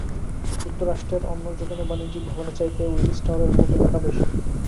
যুক্তরাষ্ট্রের অন্য যেকোন বাণিজ্যিক ভবনের চাইতে উইলিস টাওয়ারের মোট এলাকা বেশি।